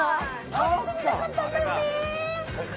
食べてみたかったんだよね。